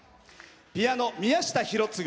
ピアノ、宮下博次。